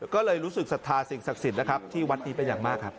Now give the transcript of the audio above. ก็เลยรู้สึกศรัทธาสิ่งศักดิ์สิทธิ์นะครับที่วัดนี้เป็นอย่างมากครับ